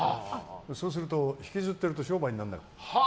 そうすると、引きずってると商売にならない。